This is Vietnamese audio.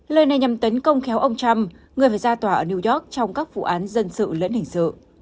lời này nhằm tấn công khéo ông trump người phải ra tòa ở new york trong các vụ án dân sự lẫn hình sự